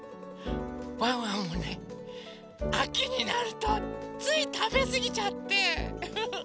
ワンワンもねあきになるとついたべすぎちゃってウフフ。